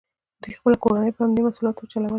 دوی خپله کورنۍ په همدې محصولاتو چلوله.